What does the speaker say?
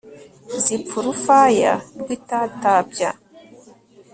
Zipfa urufaya rwitatabya